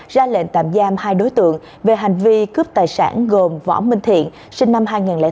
ra lệnh tạm giam hai đối tượng về hành vi cướp tài sản gồm võ minh thiện sinh năm hai nghìn chín